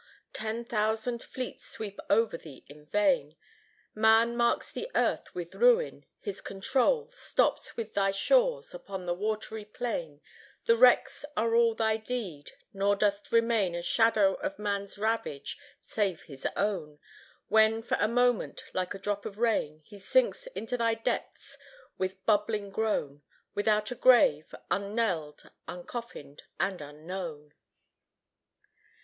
Ten thousand fleets sweep over thee in vain. Man marks the earth with ruin: his control Stops with thy shores: upon the watery plain The wrecks are all thy deed; nor doth remain A shadow of man's ravage, save his own, When for a moment, like a drop of rain, He sinks into thy depths with bubbling groan, Without a grave, unknelled, uncoffined, and unknown."